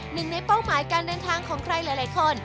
หนึ่งในเป้าหมายการเดินทางของใครหลายคน